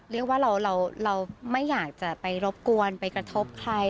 เรียกว่าเราไม่อยากจะไปรบกวนไปกระทบใคร